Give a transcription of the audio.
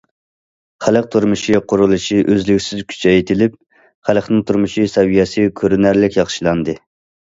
خەلق تۇرمۇشى قۇرۇلۇشى ئۈزلۈكسىز كۈچەيتىلىپ، خەلقنىڭ تۇرمۇش سەۋىيەسى كۆرۈنەرلىك ياخشىلاندى.